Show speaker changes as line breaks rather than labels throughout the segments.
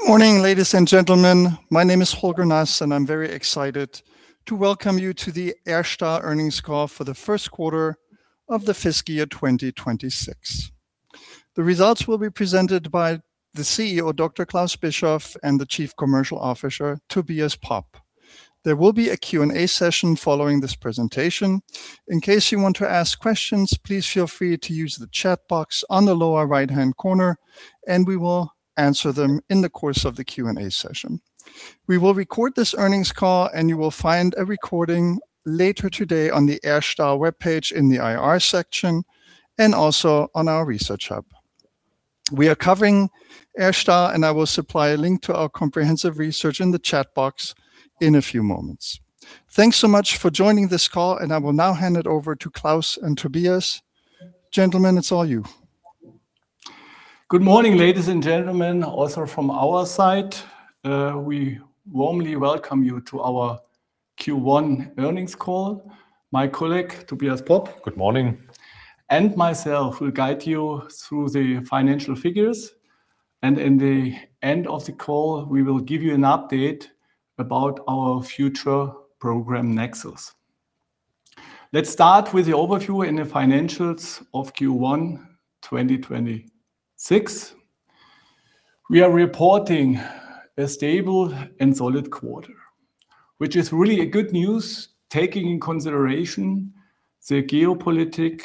Good morning, ladies and gentlemen. My name is Holger Nass, and I'm very excited to welcome you to the R. STAHL earnings call for the first quarter of the fiscal year 2026. The results will be presented by the CEO, Dr. Claus Bischoff, and the Chief Commercial Officer, Tobias Popp. There will be a Q&A session following this presentation. In case you want to ask questions, please feel free to use the chat box on the lower right-hand corner, and we will answer them in the course of the Q&A session. We will record this earnings call, and you will find a recording later today on the R. STAHL webpage in the IR section and also on our Research Hub. We are covering R. STAHL, and I will supply a link to our comprehensive research in the chat box in a few moments. Thanks so much for joining this call. I will now hand it over to Claus and Tobias. Gentlemen, it's all you.
Good morning, ladies and gentlemen. Also from our side, we warmly welcome you to our Q1 earnings call. My colleague, Tobias Popp.
Good morning.
Myself will guide you through the financial figures. In the end of the call, we will give you an update about our future program NEXUS. Let's start with the overview and the financials of Q1 2026. We are reporting a stable and solid quarter, which is really good news, taking in consideration the geopolitical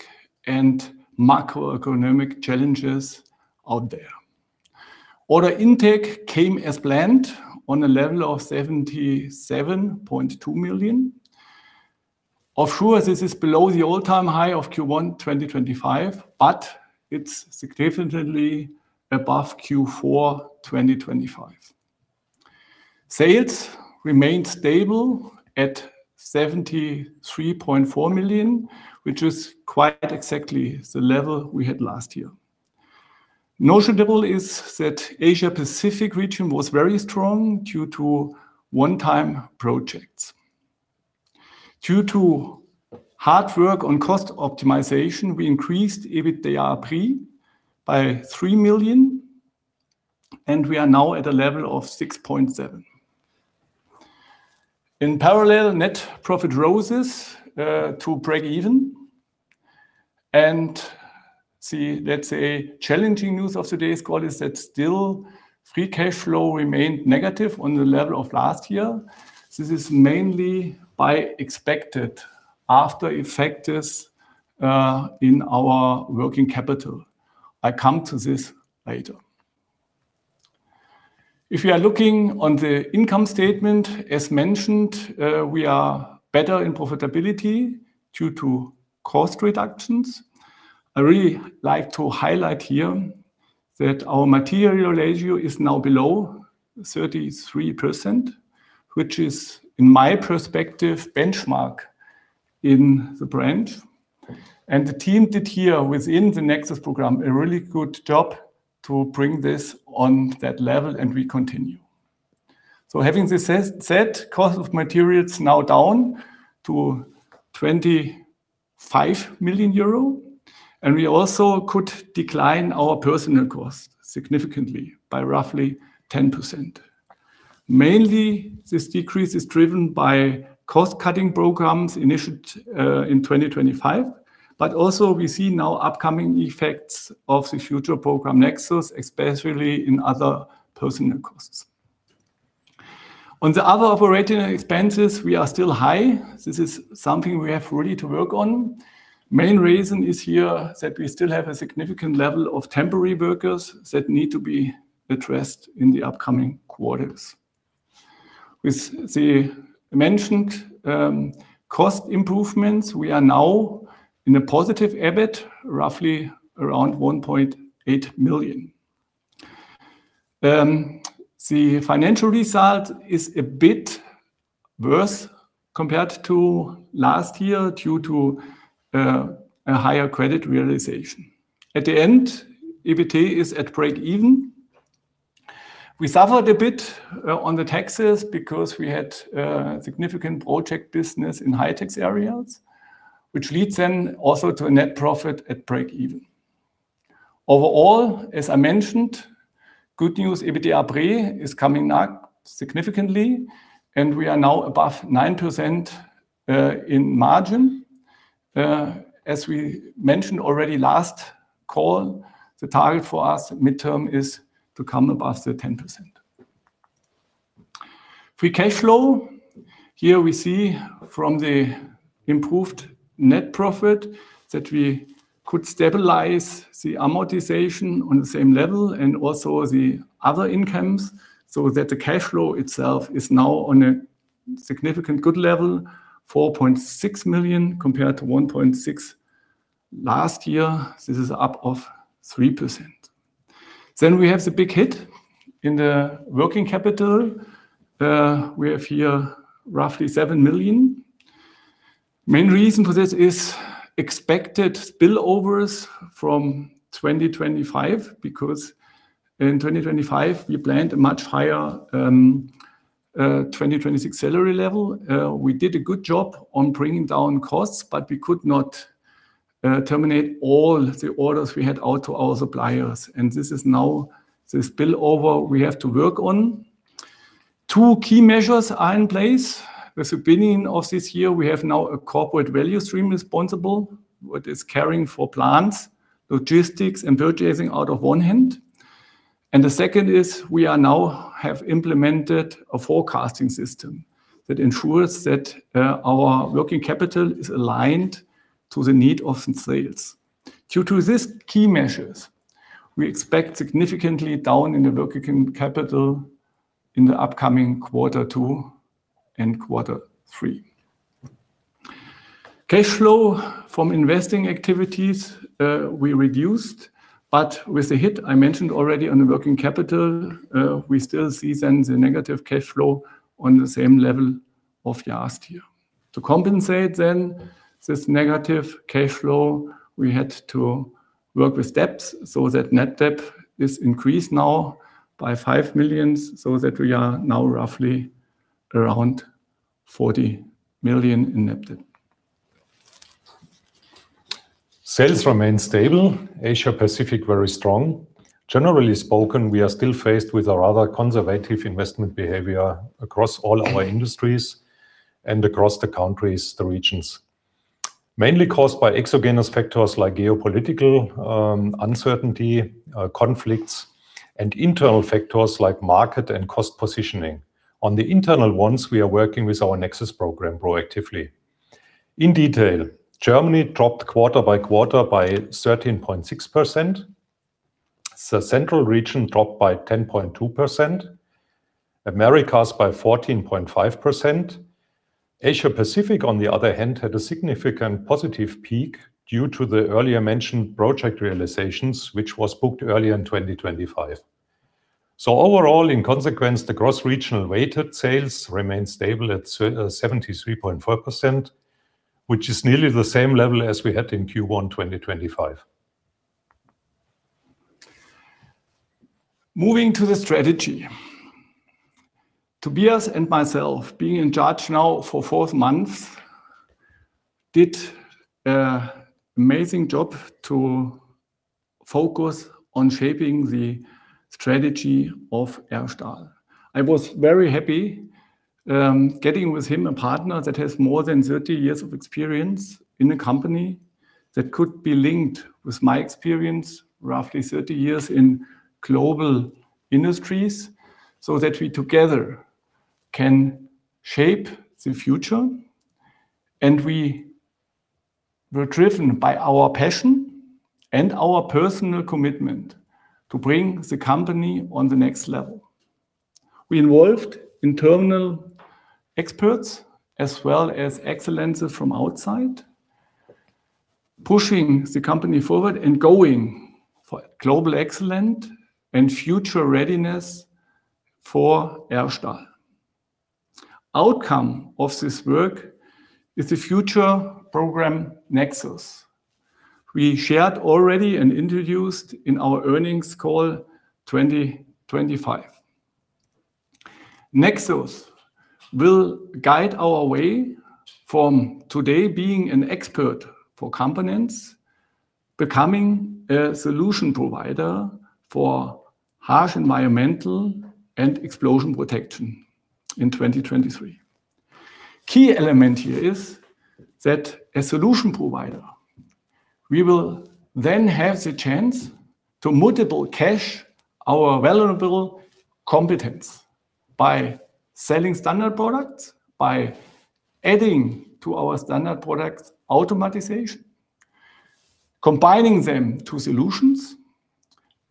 and macroeconomic challenges out there. Order intake came as planned on a level of 77.2 million. Of sure, this is below the all-time high of Q1 2025. It's significantly above Q4 2025. Sales remained stable at 73.4 million, which is quite exactly the level we had last year. Notable is that Asia Pacific region was very strong due to one-time projects. Due to hard work on cost optimization, we increased EBITDA pre by 3 million. We are now at a level of 6.7. In parallel, net profit roses to break even. See, let's say, challenging news of today's call is that still free cash flow remained negative on the level of last year. This is mainly by expected after-effects in our working capital. I come to this later. If you are looking on the income statement, as mentioned, we are better in profitability due to cost reductions. I really like to highlight here that our material ratio is now below 33%, which is, in my perspective, benchmark in the brand. The team did here within the NEXUS program, a really good job to bring this on that level and we continue. Having this set cost of materials now down to 25 million euro, and we also could decline our personnel cost significantly by roughly 10%. Mainly, this decrease is driven by cost-cutting programs initiated in 2025, we see now upcoming effects of the future program NEXUS, especially in other personnel costs. On the other operating expenses, we are still high. This is something we have really to work on. Main reason is here that we still have a significant level of temporary workers that need to be addressed in the upcoming quarters. With the mentioned cost improvements, we are now in a positive EBIT, roughly around 1.8 million. The financial result is a bit worse compared to last year due to a higher credit realization. At the end, EBIT is at break even. We suffered a bit on the taxes because we had significant project business in high-tech areas, which leads also to a net profit at break even. Overall, as I mentioned, good news, EBITDA pre is coming up significantly, and we are now above 9% in margin. As we mentioned already last call, the target for us midterm is to come above the 10%. Free cash flow. Here we see from the improved net profit that we could stabilize the amortization on the same level and also the other incomes, the cash flow itself is now on a significant good level, 4.6 million compared to 1.6 million last year. This is up of 3%. We have the big hit in the working capital. We have here roughly 7 million. Main reason for this is expected spillovers from 2025, because in 2025, we planned a much higher 2026 salary level. We did a good job on bringing down costs, we could not terminate all the orders we had out to our suppliers, this is now this spillover we have to work on. Two key measures are in place. With the beginning of this year, we have now a corporate value stream responsible, what is caring for plants, logistics, and purchasing out of one hand. The second is we now have implemented a forecasting system that ensures that our working capital is aligned to the need of the sales. Due to these key measures, we expect significantly down in the working capital in the upcoming quarter two and quarter three. Cash flow from investing activities, we reduced, but with the hit I mentioned already on the working capital, we still see then the negative cash flow on the same level of last year. To compensate then this negative cash flow, we had to work with debts, so that net debt is increased now by 5 million, so that we are now roughly around 40 million in net debt.
Sales remain stable. Asia-Pacific, very strong. Generally spoken, we are still faced with a rather conservative investment behavior across all our industries and across the countries, the regions, mainly caused by exogenous factors like geopolitical uncertainty, conflicts, and internal factors like market and cost positioning. On the internal ones, we are working with our NEXUS program proactively. In detail, Germany dropped quarter by quarter by 13.6%. The central region dropped by 10.2%. Americas by 14.5%. Asia-Pacific, on the other hand, had a significant positive peak due to the earlier mentioned project realizations, which was booked early in 2025. Overall, in consequence, the gross regional weighted sales remain stable at 73.4%, which is nearly the same level as we had in Q1 2025.
Moving to the strategy. Tobias and myself, being in charge now for fourth month, did a amazing job to focus on shaping the strategy of R. STAHL. I was very happy getting with him a partner that has more than 30 years of experience in the company that could be linked with my experience, roughly 30 years in global industries, so that we together can shape the future. We were driven by our passion and our personal commitment to bring the company on the next level. We involved internal experts as well as excellences from outside, pushing the company forward and going for global excellent and future readiness for R. STAHL. Outcome of this work is the future program NEXUS. We shared already and introduced in our earnings call 2025. NEXUS will guide our way from today being an expert for components, becoming a solution provider for harsh environmental and explosion protection in 2023. Key element here is that a solution provider, we will then have the chance to multiple cash our valuable competence by selling standard products, by adding to our standard products automatization, combining them to solutions,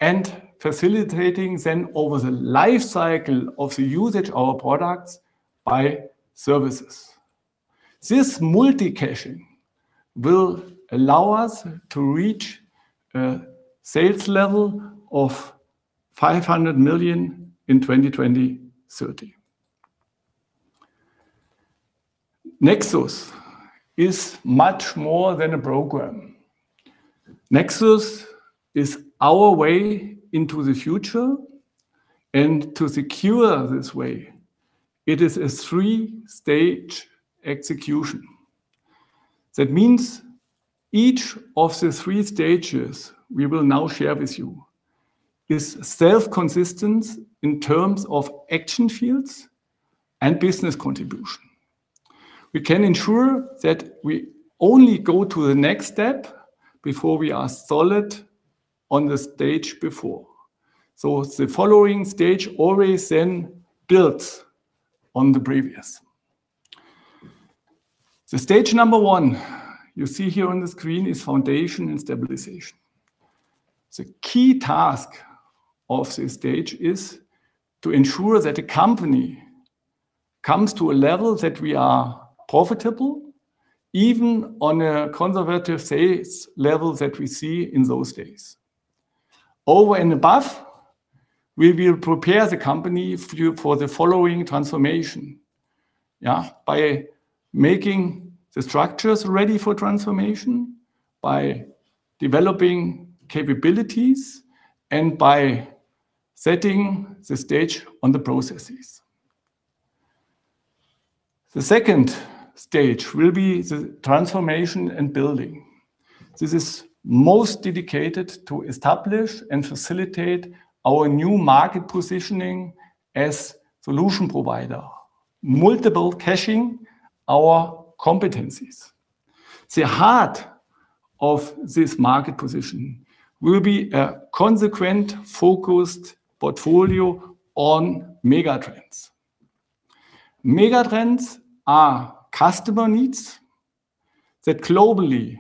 and facilitating then over the life cycle of the usage of our products by services. This multi-cashing will allow us to reach a sales level of 500 million in 2030. NEXUS is much more than a program. NEXUS is our way into the future and to secure this way, it is a three-stage execution. Each of the three stages we will now share with you is self-consistent in terms of action fields and business contribution. We can ensure that we only go to the next step before we are solid on the stage before. The following stage always then builds on the previous. The stage number one you see here on the screen is foundation and stabilization. The key task of this stage is to ensure that the company comes to a level that we are profitable, even on a conservative sales level that we see in those days. Over and above, we will prepare the company for the following transformation by making the structures ready for transformation, by developing capabilities, and by setting the stage on the processes. The second stage will be the transformation and building. This is most dedicated to establish and facilitate our new market positioning as solution provider, multiple caching our competencies. The heart of this market position will be a consequent focused portfolio on mega trends. Mega trends are customer needs that globally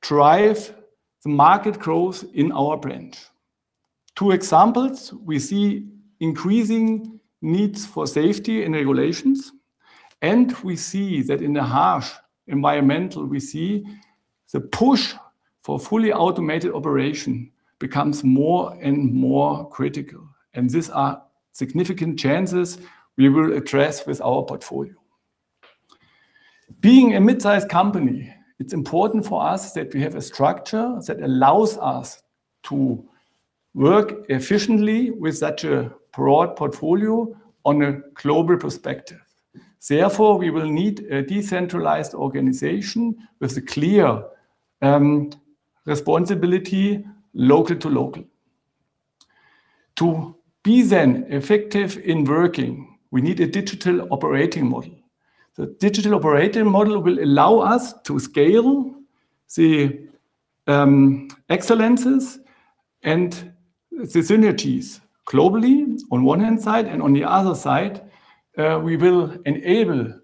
drive the market growth in our branch. Two examples. We see increasing needs for safety and regulations. We see that in the harsh environment, the push for fully automated operation becomes more and more critical. These are significant chances we will address with our portfolio. Being a mid-sized company, it's important for us that we have a structure that allows us to work efficiently with such a broad portfolio on a global perspective. Therefore, we will need a decentralized organization with a clear responsibility, local to local. To be then effective in working, we need a digital operating model. The digital operating model will allow us to scale the excellences and the synergies globally on one hand side, and on the other side, we will enable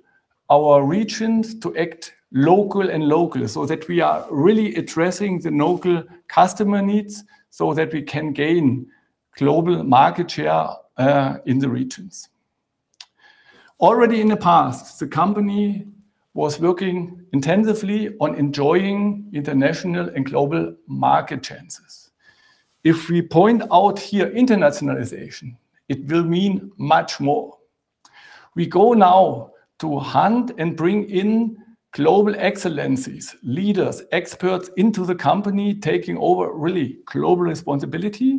our regions to act local and local so that we are really addressing the local customer needs so that we can gain global market share in the regions. Already in the past, the company was working intensively on enjoying international and global market chances. If we point out here internationalization, it will mean much more. We go now to hunt and bring in global excellences, leaders, experts into the company, taking over really global responsibility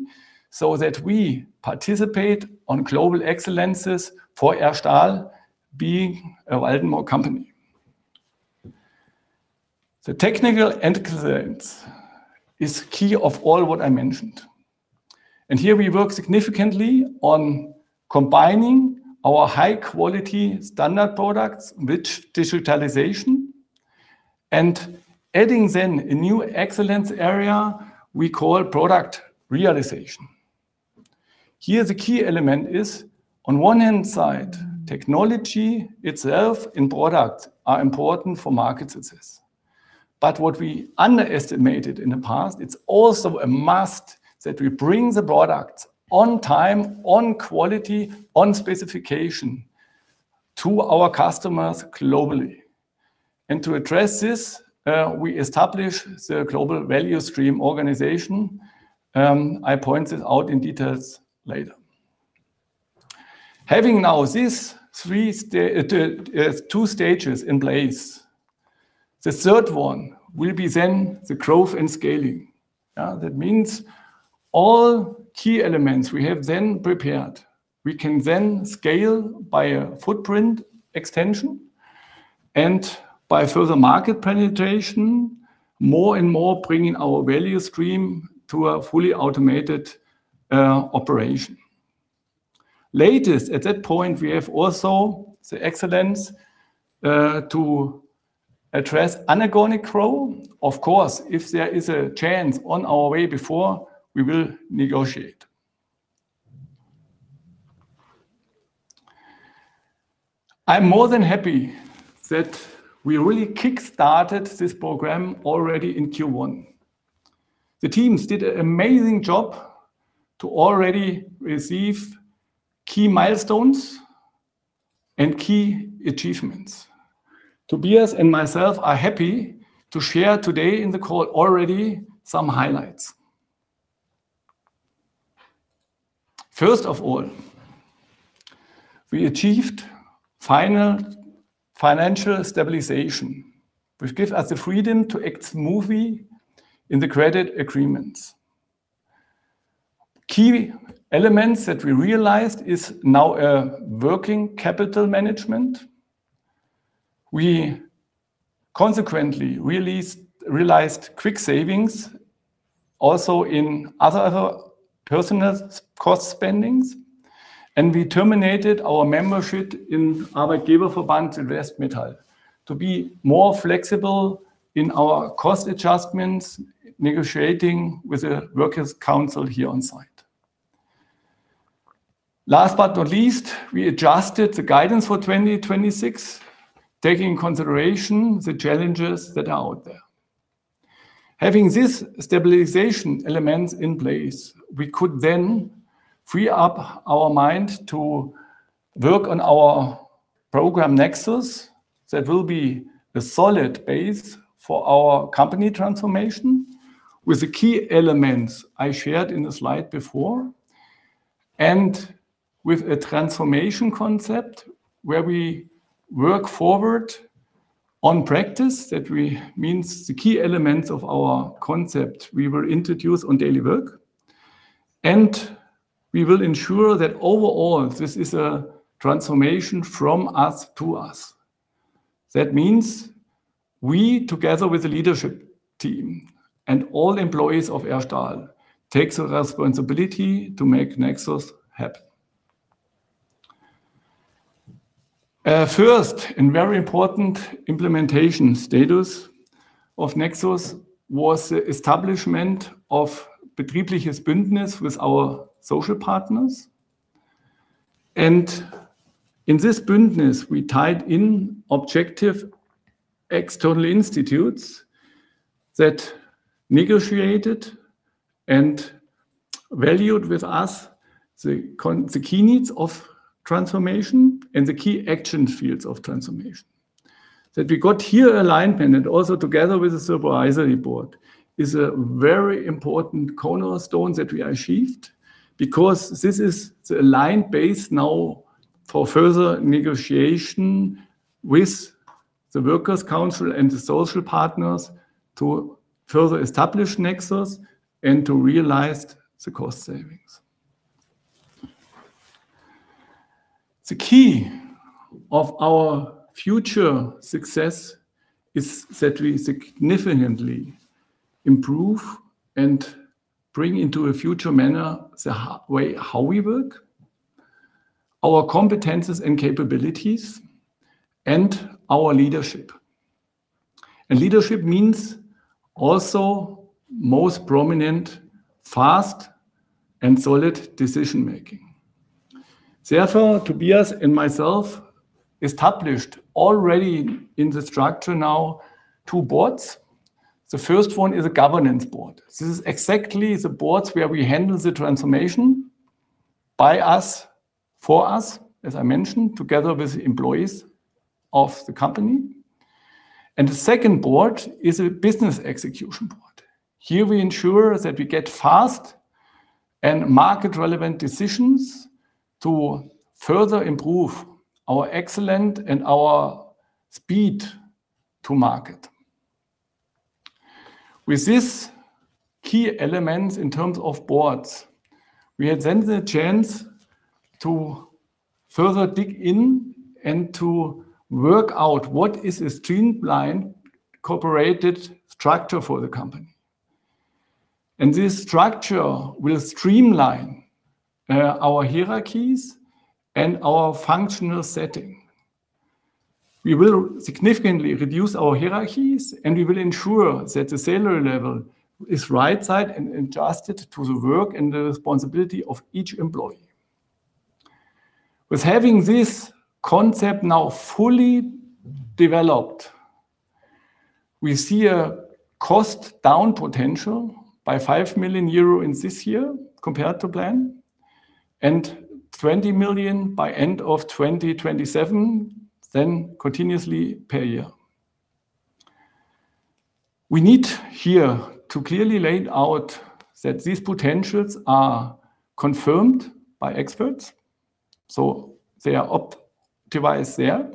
so that we participate on global excellences for R. STAHL being a Waldenburg company. The technical excellence is key of all what I mentioned. Here we work significantly on combining our high quality standard products with digitalization and adding then a new excellence area we call Product Realization. Here the key element is, on one hand side, technology itself and product are important for market success. What we underestimated in the past, it's also a must that we bring the product on time, on quality, on specification to our customers globally. To address this, we establish the global value stream organization. I point this out in details later. Having now these two stages in place, the third one will be then the growth and scaling. That means all key elements we have then prepared, we can then scale by a footprint extension and by further market penetration, more and more bringing our value stream to a fully automated operation. Latest, at that point, we have also the Sales Excellence to address organic growth. Of course, if there is a chance on our way before, we will negotiate. I'm more than happy that we really kick-started this program already in Q1. The teams did an amazing job to already receive key milestones and key achievements. Tobias and myself are happy to share today in the call already some highlights. First of all, we achieved final financial stabilization, which gives us the freedom to act smoothly in the credit agreements. Key elements that we realized is now a working capital management. We consequently realized quick savings also in other personnel cost spendings, and we terminated our membership in Aber Gebelfaban West Mittal to be more flexible in our cost adjustments, negotiating with the workers council here on site. Last but not least, we adjusted the guidance for 2026, taking consideration the challenges that are out there. Having this stabilization elements in place, we could then free up our mind to work on our program NEXUS that will be a solid base for our company transformation with the key elements I shared in the slide before, and with a transformation concept where we work forward on practice, that means the key elements of our concept we will introduce on daily work. We will ensure that overall this is a transformation from us to us. That means we, together with the leadership team and all employees of R. STAHL, take the responsibility to make NEXUS happen. First, very important implementation status of NEXUS was the establishment of the Betriebsbündnis with our social partners. In this Betriebsbündnis, we tied in objective external institutes that negotiated and valued with us the key needs of transformation and the key action fields of transformation. That we got here aligned and also together with the supervisory board is a very important cornerstone that we achieved because this is the align base now for further negotiation with the workers council and the social partners to further establish NEXUS and to realize the cost savings. The key of our future success is that we significantly improve and bring into a future manner the way how we work, our competencies and capabilities, and our leadership. Leadership means also most prominent, fast, and solid decision-making. Therefore, Tobias and myself established already in the structure now two boards. The first one is a governance board. This is exactly the Board where we handle the transformation by us, for us, as I mentioned, together with employees of the company. The second Board is a Business Execution Board. Here we ensure that we get fast and market relevant decisions to further improve our excellence and our speed to market. With these key elements in terms of Boards, we had the chance to further dig in and to work out what is a streamlined corporate structure for the company. This structure will streamline our hierarchies and our functional setting. We will significantly reduce our hierarchies, and we will ensure that the salary level is right-sized and adjusted to the work and the responsibility of each employee. With having this concept now fully developed, we see a cost down potential by 5 million euro in this year compared to plan, and 20 million by end of 2027, then continuously per year. We need here to clearly laid out that these potentials are confirmed by experts, so they are optimized there,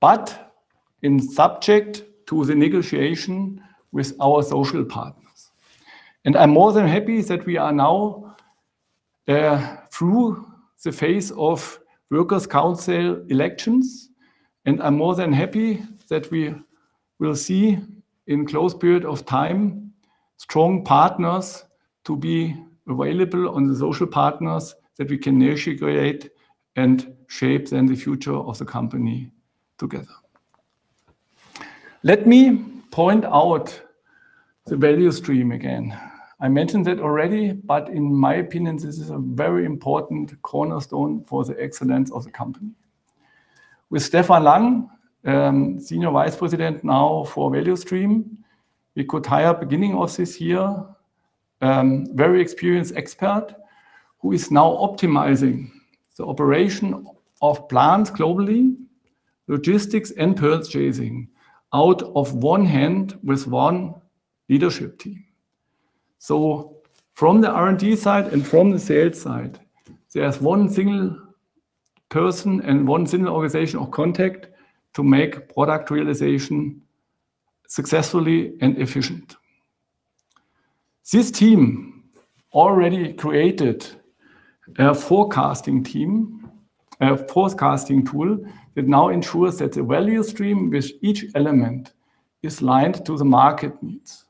but in subject to the negotiation with our social partners. I'm more than happy that we are now through the phase of workers council elections, and I'm more than happy that we will see in close period of time, strong partners to be available on the social partners that we can negotiate and shape then the future of the company together. Let me point out the value stream again. I mentioned it already, but in my opinion, this is a very important cornerstone for the excellence of the company. With Stefan Lang, Senior Vice President now for value stream, we could hire beginning of this year, very experienced expert who is now optimizing the operation of plants globally, logistics and purchasing out of one hand with one leadership team. From the R&D side and from the sales side, there's one single person and one single organizational contact to make product realization successfully and efficient. This team already created a forecasting team, a forecasting tool that now ensures that the value stream with each element is aligned to the market needs.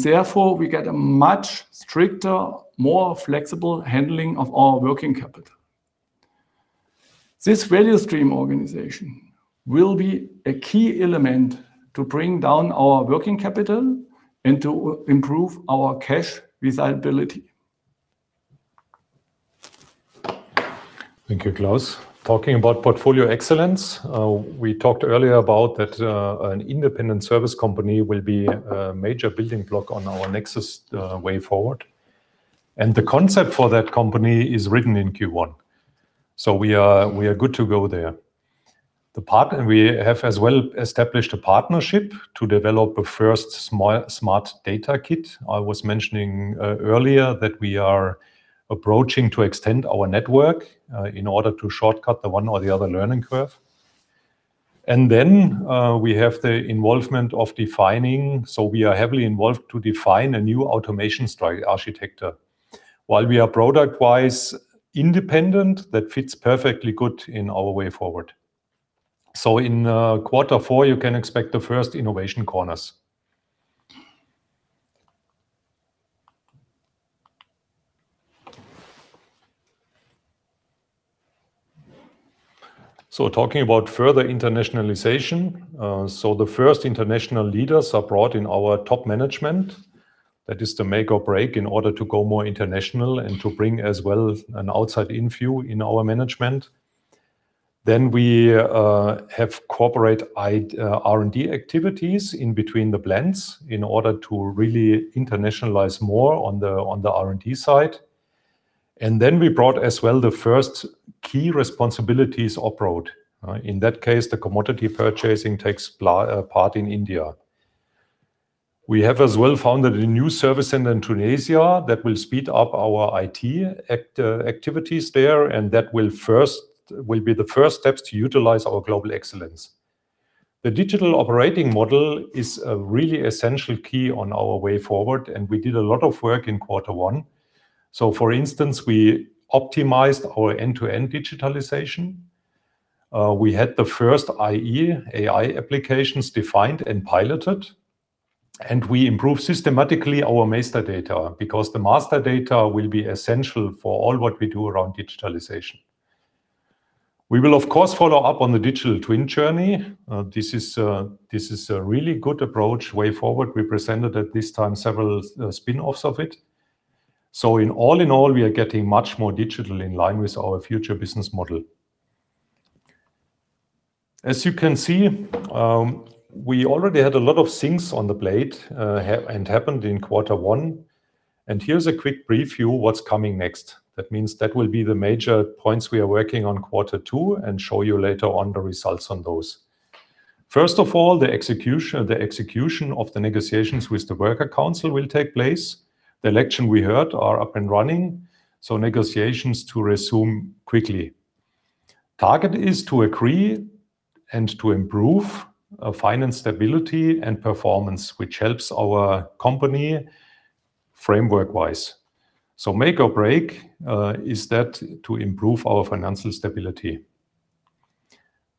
Therefore, we get a much stricter, more flexible handling of our working capital. This value stream organization will be a key element to bring down our working capital and to improve our cash visibility.
Thank you, Claus. Talking about portfolio excellence, we talked earlier about that an independent service company will be a major building block on our NEXUS way forward. The concept for that company is written in Q1. We are good to go there. We have as well established a partnership to develop a first Smart Data Kit. I was mentioning earlier that we are approaching to extend our network in order to shortcut the one or the other learning curve. Then we have the involvement of defining. We are heavily involved to define a new automation architecture. While we are product-wise independent, that fits perfectly good in our way forward. In Q4, you can expect the first Innovation Corners. Talking about further internationalization, the first international leaders are brought in our top management. That is the make or break in order to go more international and to bring as well an outside-in view in our management. We have corporate R&D activities in between the plants in order to really internationalize more on the R&D side. We brought as well the first key responsibilities abroad. In that case, the commodity purchasing takes part in India. We have as well founded a new service center in Tunisia that will speed up our IT activities there, and that will be the first steps to utilize our global excellence. The digital operating model is a really essential key on our way forward, and we did a lot of work in quarter one. For instance, we optimized our end-to-end digitalization. We had the first IE/AI applications defined and piloted. We improved systematically our master data, because the master data will be essential for all what we do around digitalization. We will of course follow up on the digital twin journey. This is a really good approach way forward. We presented at this time several spin-offs of it. In all in all, we are getting much more digital in line with our future business model. You can see, we already had a lot of things on the plate and happened in quarter one. Here's a quick preview what's coming next. That means that will be the major points we are working on quarter two and show you later on the results on those. First of all the execution of the negotiations with the worker council will take place. The election, we heard, are up and running. Negotiations to resume quickly. Target is to agree and to improve financial stability and performance, which helps our company framework-wise. Make or break is that to improve our financial stability.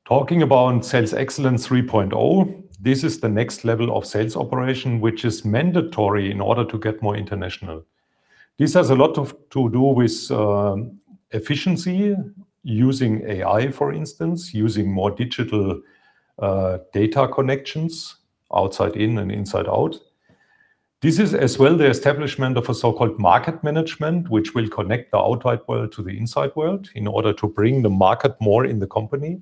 Talking about Sales Excellence 3.0, this is the next level of sales operation, which is mandatory in order to get more international. This has a lot to do with efficiency, using AI, for instance, using more digital data connections outside in and inside out. This is as well the establishment of a so-called Market Management, which will connect the outside world to the inside world in order to bring the market more in the company.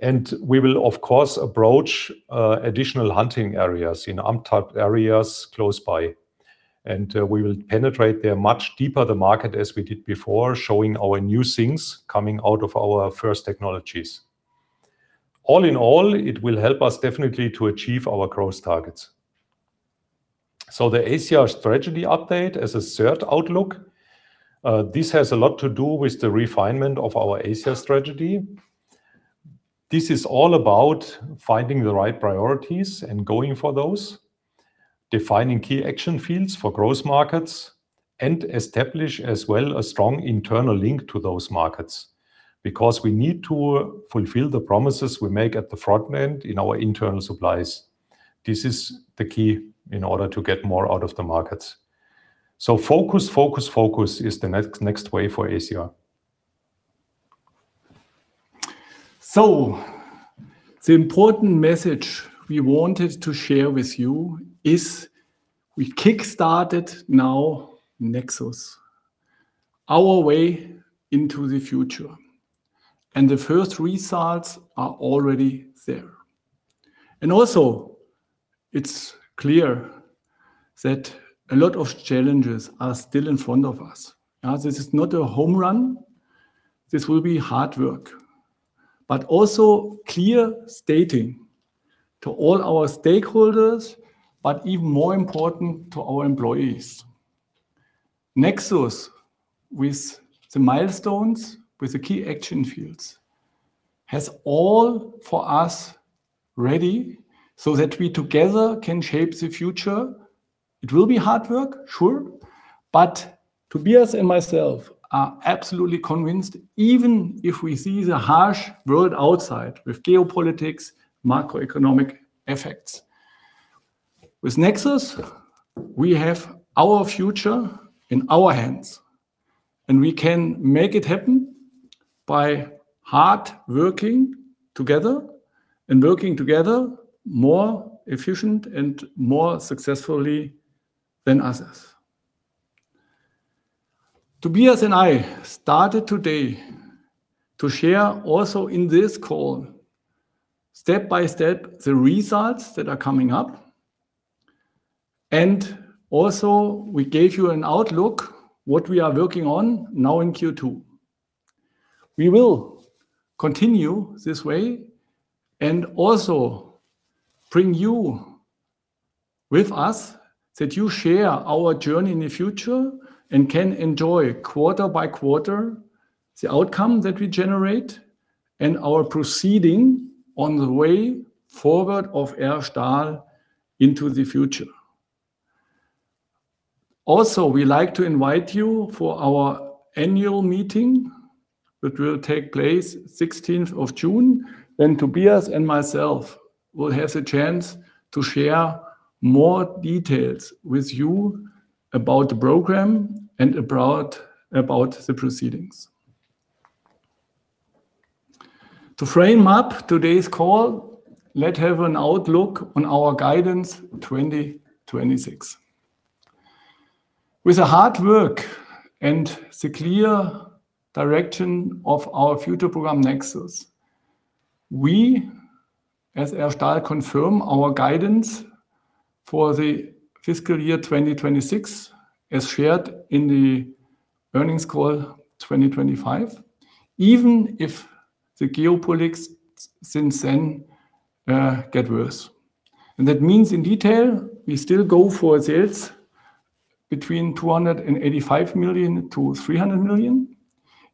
We will, of course, approach additional hunting areas in untapped areas close by. We will penetrate there much deeper the market as we did before, showing our new things coming out of our first technologies. All in all, it will help us definitely to achieve our growth targets. The ACR strategy update as a third outlook, this has a lot to do with the refinement of our ACR strategy. This is all about finding the right priorities and going for those, defining key action fields for growth markets, and establish as well a strong internal link to those markets, because we need to fulfill the promises we make at the front end in our internal supplies. This is the key in order to get more out of the markets. Focus, focus is the next way for ACR.
The important message we wanted to share with you is we kickstarted now NEXUS, our way into the future. The first results are already there. Also, it's clear that a lot of challenges are still in front of us. This is not a home run. This will be hard work. Also clear stating to all our stakeholders, but even more important to our employees, NEXUS, with the milestones, with the key action fields, has all for us ready so that we together can shape the future. It will be hard work, sure. Tobias and myself are absolutely convinced, even if we see the harsh world outside with geopolitics, macroeconomic effects, with NEXUS, we have our future in our hands, and we can make it happen by hard working together and working together more efficient and more successfully than others. Tobias and I started today to share also in this call step by step the results that are coming up. Also, we gave you an outlook what we are working on now in Q2. We will continue this way and also bring you With us that you share our journey in the future and can enjoy quarter by quarter the outcome that we generate and our proceeding on the way forward of R. STAHL into the future. We like to invite you for our annual meeting that will take place 16th of June, when Tobias and myself will have a chance to share more details with you about the program and about the proceedings. To frame up today's call, let have an outlook on our guidance 2026. With the hard work and the clear direction of our future program NEXUS, we as R. STAHL confirm our guidance for the fiscal year 2026 as shared in the earnings call 2025, even if the geopolitics since then get worse. That means in detail, we still go for sales between 285 million-300 million.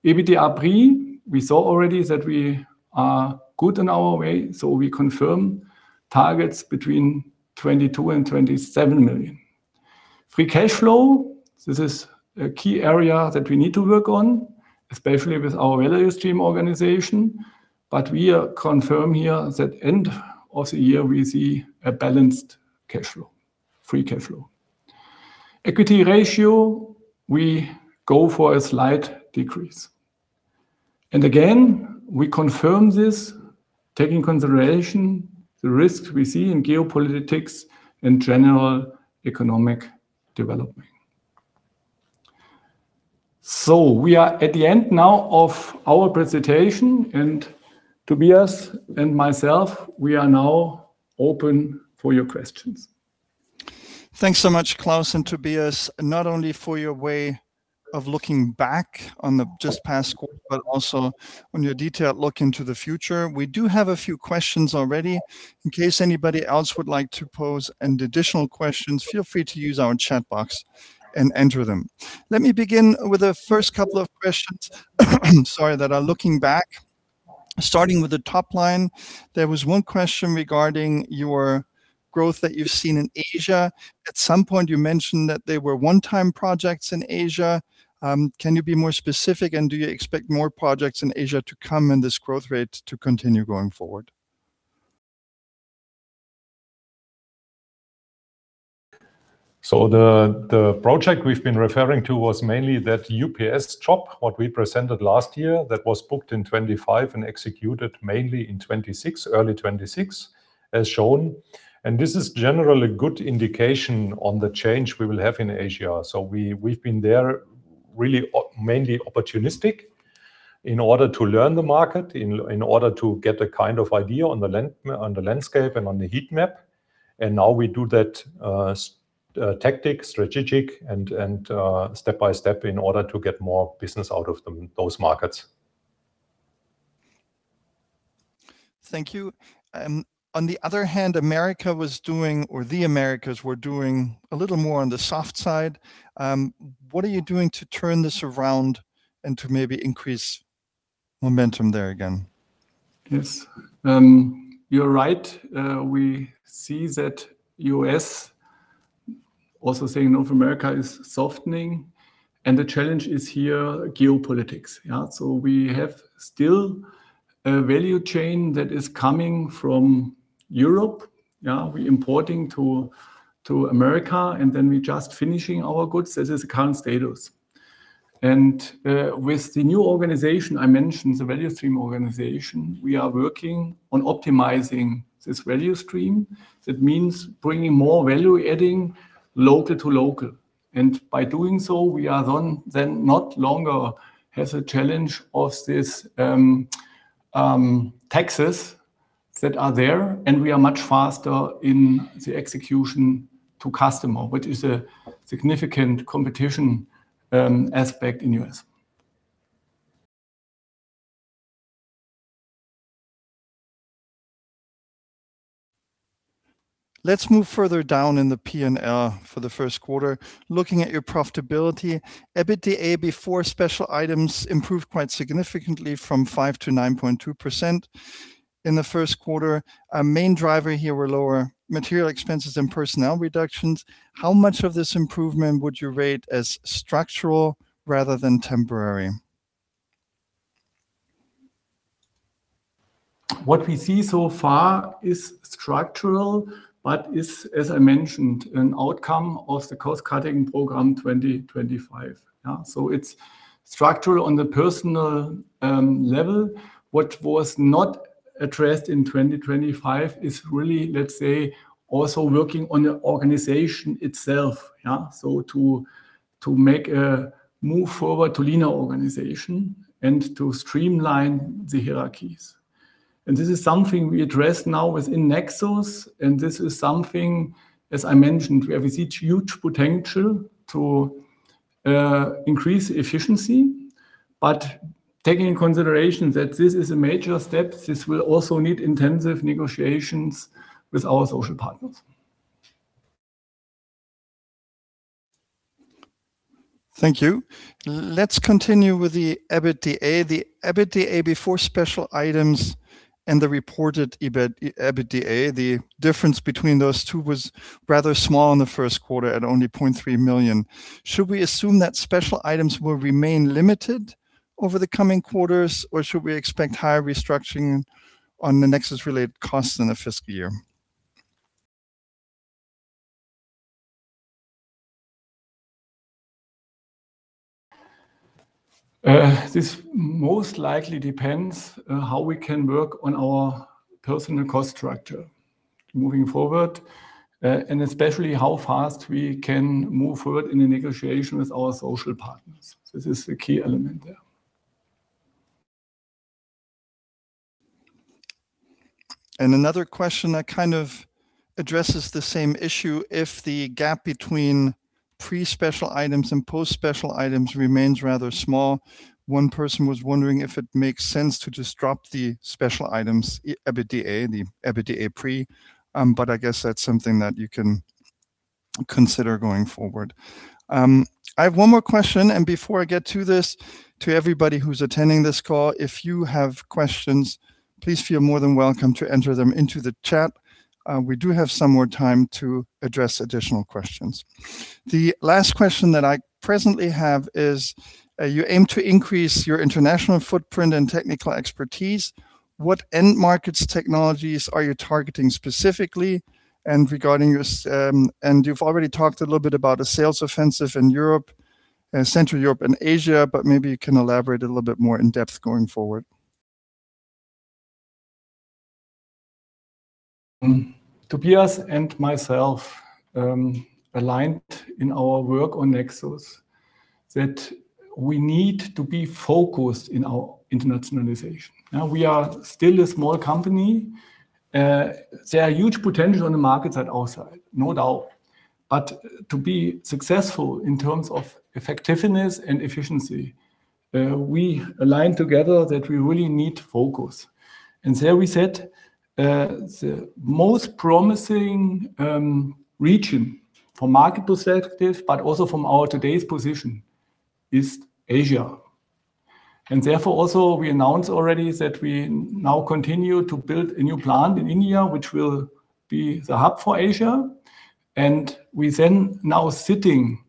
EBITDA pre, we saw already that we are good on our way, so we confirm targets between 22 million and 27 million. Free cash flow, this is a key area that we need to work on, especially with our value stream organization. We are confirm here that end of the year we see a balanced cash flow, free cash flow. Equity ratio, we go for a slight decrease. Again, we confirm this, take in consideration the risks we see in geopolitics and general economic development. We are at the end now of our presentation, and Tobias and myself, we are now open for your questions.
Thanks so much, Claus and Tobias, not only for your way of looking back on the just past quarter, but also on your detailed look into the future. We do have a few questions already. In case anybody else would like to pose any additional questions, feel free to use our chat box and enter them. Let me begin with the first couple of questions sorry, that are looking back. Starting with the top line, there was one question regarding your growth that you've seen in Asia. At some point, you mentioned that they were one-time projects in Asia. Can you be more specific, do you expect more projects in Asia to come and this growth rate to continue going forward?
The project we've been referring to was mainly that UPS job, what we presented last year, that was booked in 2025 and executed mainly in 2026, early 2026, as shown. This is generally good indication on the change we will have in Asia. We've been there really mainly opportunistic in order to learn the market, in order to get a kind of idea on the landscape and on the heat map. Now we do that tactic, strategic and step-by-step in order to get more business out of those markets.
Thank you. On the other hand, America was doing, or the Americas were doing a little more on the soft side. What are you doing to turn this around and to maybe increase momentum there again?
Yes. You're right. We see that U.S., also saying North America, is softening, and the challenge is here geopolitics. We have still a value chain that is coming from Europe, we importing to America, and then we just finishing our goods. That is current status. With the new organization, I mentioned the value stream organization, we are working on optimizing this value stream. That means bringing more value adding local to local. By doing so, we are then not longer has a challenge of this taxes that are there, and we are much faster in the execution to customer, which is a significant competition aspect in U.S.
Let's move further down in the P&L for the first quarter. Looking at your profitability, EBITDA pre exceptionals improved quite significantly from 5%-9.2% in the first quarter. A main driver here were lower material expenses and personnel reductions. How much of this improvement would you rate as structural rather than temporary?
What we see so far is structural, but is, as I mentioned, an outcome of the cost-cutting program 2025. It's structural on the personal level. What was not addressed in 2025 is really, let's say, also working on the organization itself. To make a move forward to leaner organization and to streamline the hierarchies. This is something we address now within NEXUS, this is something, as I mentioned, where we see huge potential to increase efficiency, but taking in consideration that this is a major step, this will also need intensive negotiations with our social partners.
Thank you. Let's continue with the EBITDA. The EBITDA before special items and the reported EBITDA, the difference between those two was rather small in the first quarter at only 0.3 million. Should we assume that special items will remain limited over the coming quarters, or should we expect higher restructuring on the NEXUS related costs in the fiscal year?
This most likely depends, how we can work on our personal cost structure moving forward, and especially how fast we can move forward in the negotiation with our social partners. This is the key element there.
Another question that kind of addresses the same issue, if the gap between pre-special items and post-special items remains rather small, one person was wondering if it makes sense to just drop the special items, EBITDA, the EBITDA pre. I guess that's something that you can consider going forward. I have one more question. Before I get to this, to everybody who's attending this call, if you have questions, please feel more than welcome to enter them into the chat. We do have some more time to address additional questions. The last question that I presently have is, you aim to increase your international footprint and technical expertise. What end markets technologies are you targeting specifically? Regarding your you've already talked a little bit about a sales offensive in Europe, Central Europe and Asia, maybe you can elaborate a little bit more in depth going forward.
Tobias and myself aligned in our work on NEXUS that we need to be focused in our internationalization. We are still a small company. There are huge potential on the markets at our side, no doubt. To be successful in terms of effectiveness and efficiency, we align together that we really need focus. There we said, the most promising region for market perspective, but also from our today's position, is Asia. Therefore also, we announced already that we now continue to build a new plant in India, which will be the hub for Asia. We then now sitting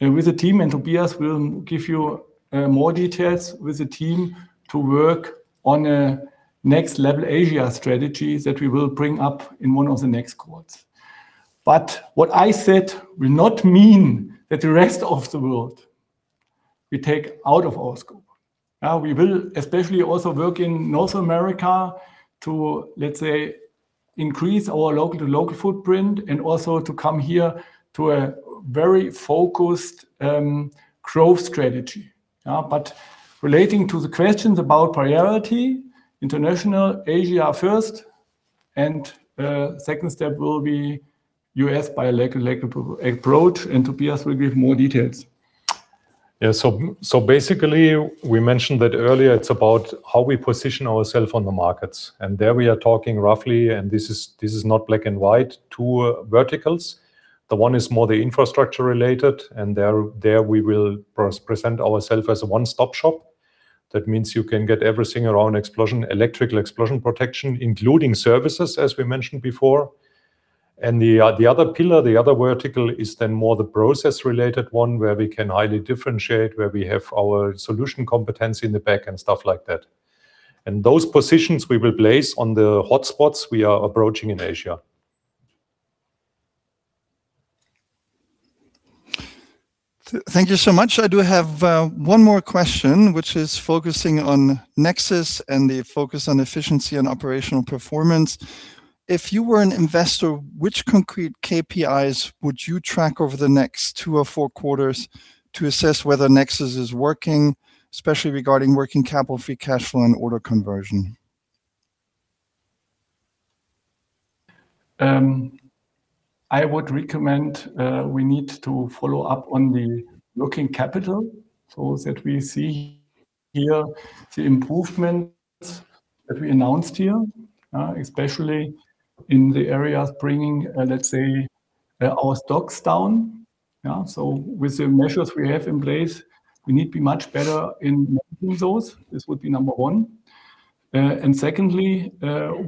with the team, and Tobias will give you more details with the team to work on a next level Asia strategy that we will bring up in one of the next quarters. What I said will not mean that the rest of the world we take out of our scope. We will especially also work in North America to, let's say, increase our local footprint and also to come here to a very focused growth strategy. Relating to the questions about priority, international, Asia first, and second step will be U.S. by a local approach, and Tobias will give more details.
Basically, we mentioned that earlier, it's about how we position ourselves on the markets. There we are talking roughly, and this is not black and white, two verticals. One is more the infrastructure-related, there we will present ourselves as a one-stop shop. That means you can get everything around explosion, electrical explosion protection, including services, as we mentioned before. The other pillar, the other vertical is then more the process-related one, where we can highly differentiate, where we have our solution competency in the back and stuff like that. Those positions we will place on the hotspots we are approaching in Asia.
Thank you so much. I do have one more question, which is focusing on NEXUS and the focus on efficiency and operational performance. If you were an investor, which concrete KPIs would you track over the next two or four quarters to assess whether NEXUS is working, especially regarding working capital, free cash flow, and order conversion?
I would recommend, we need to follow up on the working capital so that we see here the improvements that we announced here, especially in the areas bringing, let's say, our stocks down. With the measures we have in place, we need to be much better in managing those. This would be number one. Secondly,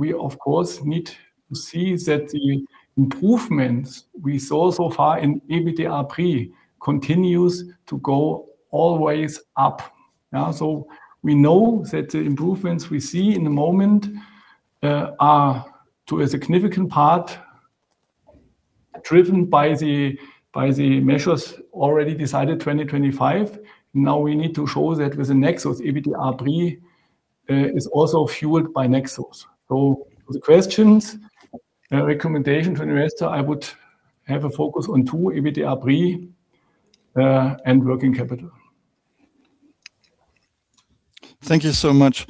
we of course need to see that the improvements we saw so far in EBITDA pre continues to go always up. We know that the improvements we see in the moment are to a significant part driven by the measures already decided 2025. We need to show that with the NEXUS, EBITDA pre is also fueled by NEXUS. The questions, recommendation for the investor, I would have a focus on two, EBITDA pre, and working capital.
Thank you so much.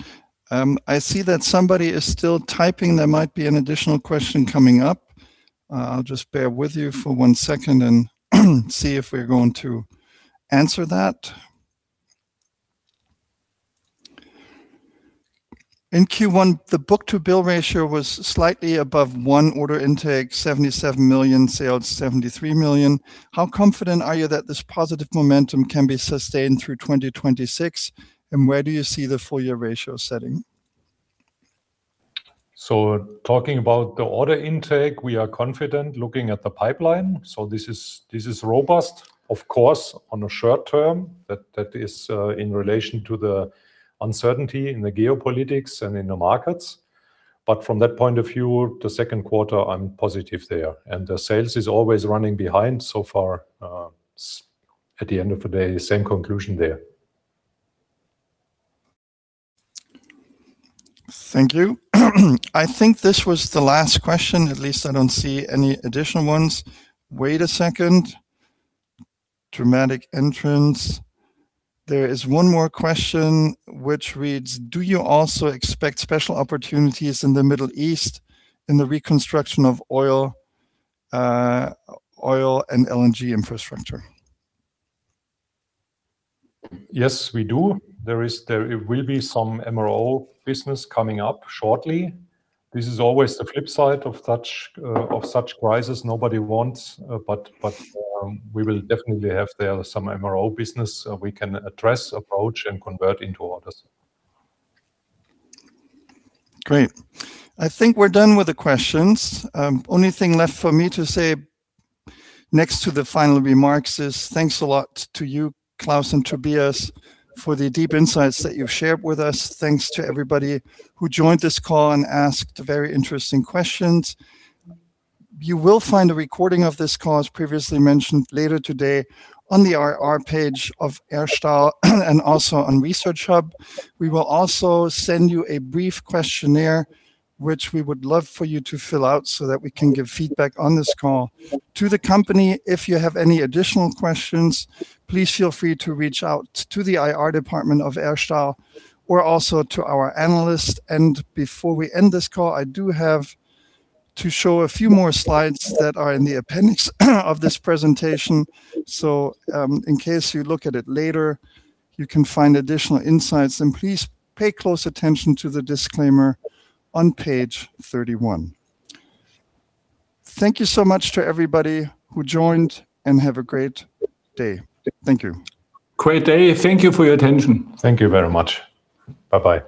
I see that somebody is still typing. There might be an additional question coming up. I'll just bear with you for one second and see if we're going to answer that. In Q1, the book-to-bill ratio was slightly above one order intake, 77 million, sales 73 million. How confident are you that this positive momentum can be sustained through 2026, and where do you see the full year ratio setting?
Talking about the order intake, we are confident looking at the pipeline. This is robust. Of course, on the short term, that is in relation to the uncertainty in the geopolitics and in the markets. From that point of view, the second quarter, I'm positive there. The sales is always running behind so far, at the end of the day, same conclusion there.
Thank you. I think this was the last question. At least I don't see any additional ones. Wait a second. Dramatic entrance. There is one more question which reads, "Do you also expect special opportunities in the Middle East in the reconstruction of oil and LNG infrastructure?
Yes, we do. There will be some MRO business coming up shortly. This is always the flip side of such crisis nobody wants. We will definitely have there some MRO business we can address, approach, and convert into orders.
Great. I think we're done with the questions. The only thing left for me to say next to the final remarks is thanks a lot to you, Claus and Tobias, for the deep insights that you've shared with us. Thanks to everybody who joined this call and asked very interesting questions. You will find a recording of this call, as previously mentioned, later today on the IR page of R. STAHL and also on Research Hub. We will also send you a brief questionnaire, which we would love for you to fill out so that we can give feedback on this call to the company. If you have any additional questions, please feel free to reach out to the IR department of R. STAHL or also to our Analyst. Before we end this call, I do have to show a few more slides that are in the appendix of this presentation. In case you look at it later, you can find additional insights. Please pay close attention to the disclaimer on page 31. Thank you so much to everybody who joined, and have a great day. Thank you.
Great day. Thank you for your attention.
Thank you very much. Bye-bye.